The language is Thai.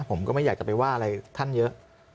ผมก็ไม่อยากจะไปว่าอะไรท่านเยอะ